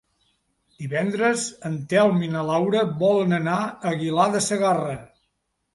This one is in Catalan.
Divendres en Telm i na Laura volen anar a Aguilar de Segarra.